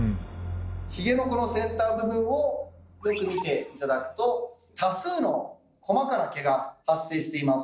ヒゲのこの先端部分をよく見て頂くと多数の細かな毛が発生しています。